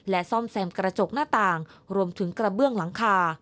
ซ่อมแซมกระจกหน้าต่างรวมถึงกระเบื้องหลังคา